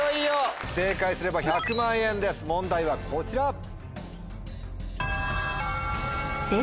正解すれば１００万円です問題はこちら。